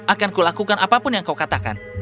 akan kulakukan apapun yang kau katakan